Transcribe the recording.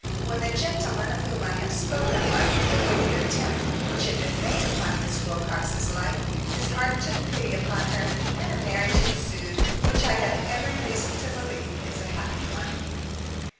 When the gentleman of whom I have spoken learned of the wicked attempt which had been made upon Miss Wilcox's life, his heart took pity upon her, and a marriage ensued, which I have every reason to believe is a happy one.